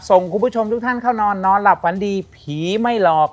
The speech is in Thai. ส่งคุณผู้ชมทุกท่านเข้านอนนอนหลับฝันดีผีไม่หลอก